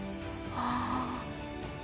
「ああ」